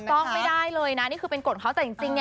ต้องไม่ได้เลยนะนี่คือเป็นกฎเขาแต่จริง